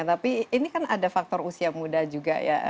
tapi ini kan ada faktor usia muda juga ya